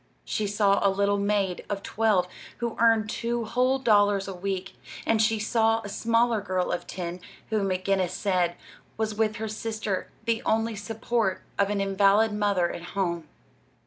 She saw a little maid of twelve who earned two whole dollars a week, and she saw a smaller girl of ten who, McGinnis said, was with her sister the only support of an invalid mother at home.